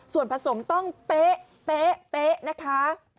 ส่วนผสมต้องเป๊ะเป๊ะเป๊ะนะคะ